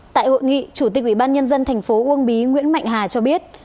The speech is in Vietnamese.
tại hội nghị chủ tịch ủy ban nhân dân tp uông bí nguyễn mạnh hà cho biết